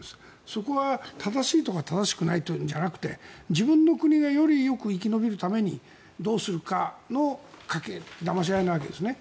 そこは正しいとか正しくないではなくて自分の国がよりよく生き延びるためにどうするかのだまし合いなわけですね。